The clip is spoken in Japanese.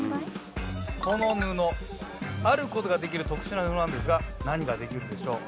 この布ある事ができる特殊な布なんですが何ができるでしょう？